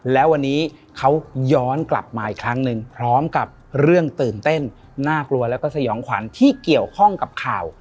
แล้ววันนี้เขาย้อนกลับมาอีกครั้งหนึ่งพร้อมกับเรื่องตื่นเต้นน่ากลัวแล้วก็สยองขวัญที่เกี่ยวข้องกับข่าว